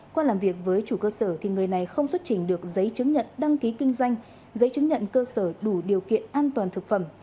qua làm việc với chủ cơ sở thì người này không xuất trình được giấy chứng nhận đăng ký kinh doanh giấy chứng nhận cơ sở đủ điều kiện an toàn thực phẩm